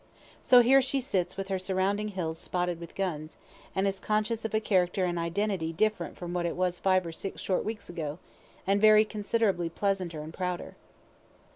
So here she sits with her surrounding hills spotted with guns, and is conscious of a character and identity different from what it was five or six short weeks ago, and very considerably pleasanter and prouder.